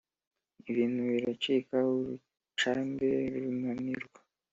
Ibintu biracika urucanda runanirwa